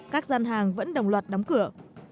các gian hàng vẫn đồng loạt đóng cửa